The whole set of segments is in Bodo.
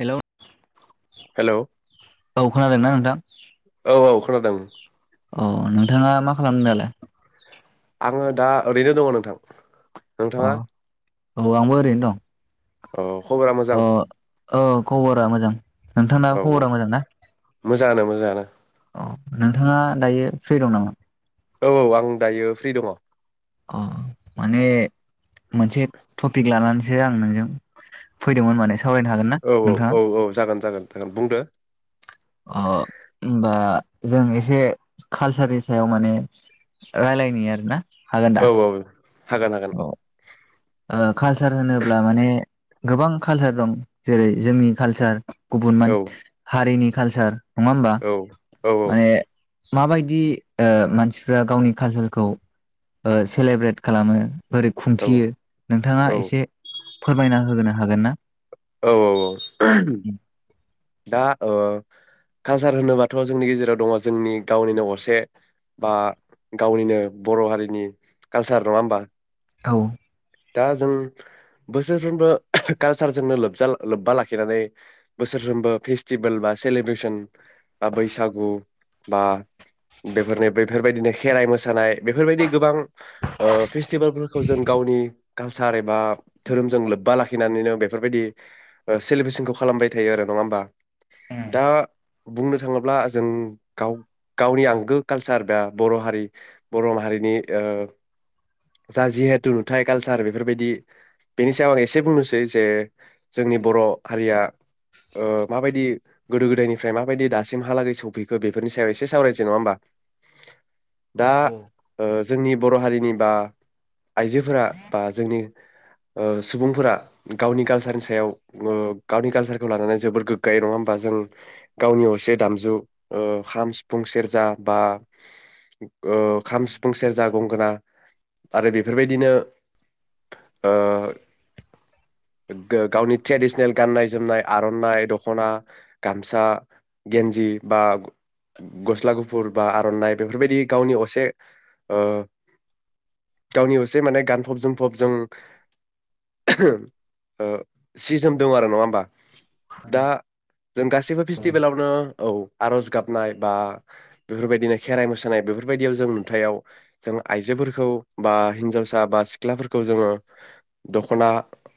हेल'। हेलौ औ खोनादोंना नोंथां? औ औ खोनादों। अ नोंथाङा मा खालामदों दालाय? आङो दा ओरैनो दङ नोंथां। अ नोंथाङा औ आंबो ओरैनो दं। औ। खबरा अ मोजां? औ खबरा मोजां। औ नोंथांनाबो औ खबरा मोजां ना? मोजाङानो मोजाङानो। नोंथाङा दायो फ्रि दं नामा? औ औ आं दायो फ्रि दङ। अ माने मोनसे टपिक लानानैसो आं नोंजों फैदोंमोन माने सावरायनो हागोन ना औ औ नोंथाङा औ औ जागोन जागोन जागोन बुंदो। अ ओमबा जों एसे खालसारनि सायाव माने रायलायनि आरोना। हागोन दा औ औ। हागोन हागोन। औ ओ कालसार होनोब्ला माने गोबां कालसार दं जेरै जोंनि कालसार। गुबुन औ [unintelligible] हारिनि। कालचार। नङा ओमबा औ औ माने माबायदि ओ मानसिफ्रा गावनि कालसारखौ ओ सेलेब्रेट खालामो? बोरै खुंथियो? नोंथाङा औ एसे फोरमायना होगोन नों हागोन ना? औ औ औ दा ओ। कालसार होनोबाथ' जोंनि गेजेराव दङ जोंनि गावनिनो असे बा गावनिनो बर' हारिनि कालसार नङा होमबा? औ। दा जों बोसोरफ्रोमबो कालसारजोंनो लोबजा लोब्बा लाखिनानै बोसोरफ्रोमबो फेस्टिभेल बा सेलिब्रेसन बैसागु बा बेफोरनि बेैफोरबायदिनो खेराइ मोसानाय बेफोरबायदि गोबां फेस्टिभेलफोरखौ जों गावनि कालसार एबा धोरोमजों लोब्बा लाखिनानैनो बेफोरबायदि सेलिब्रेसनखौ खालामबाय थायो आरो नङा होमबा? उम दा बुंनो थाङोब्ला जों गाव गावनि आंगो कालसार बा बर' हारि बर' माहारिनि ओ जा जिहेथु नुथाय। कालसार बेफोरबायदि बेनि सायाव एसे बुंनोसै जे जोंनि बर' हारिया ओ माबायदि गोदो गोदायनिफ्राय माबायदि दासिमहालागै सौफैखो बेफोरनि सायाव एसे सावरायसै नङा होमबा? दा ओ जोंनि बर' हारिनि बा आइजोफोरा बा जोंनि ओ सुबुंफोरा गावनि कालसारनि सायाव ओ गावनि कालसारखौ लानानै जोबोर गोग्गायो नङा होमबा जों गावनि असे दामजु ओ खाम सिफुं सेरजा बा ओ खाम सिफुं सेरजा गंगोना आरो बेफोरबायदिनो ओ [unintelligible] गावनि ट्रेडिसनेल गाननाय जोमनाय आर'नाइ दख'ना गामसा गेन्जि बा गस्ला गुफुर बा आर'नाइ बेफोरबायदि गावनि असे ओ गावनि असे माने गान फबजों फबजों ओ सि जोम दों आरो नङा होमबा? दा जों गासिबो फेस्टिभेलावनो औ। आर'ज गाबनाय बा बेफोरबायदिनो खेराइ मोसानाय बेफोरबायदियाव जों नुथायाव जों आइजोफोरखौ बा हिनजावसा बा सिख्लाफोरखौ जोङो दख'ना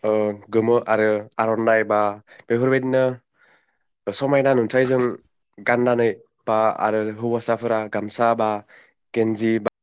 ओ गोमो आरो आर'नाइ बा बेफोरबायदिनो समायना नुथायजों गाननानै बा आरो हौवासाफोरा गामसा बा गेन्जि बा